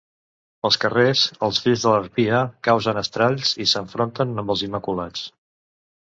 Pels carrers els Fills de l'Harpia causen estralls i s'enfronten amb els Immaculats.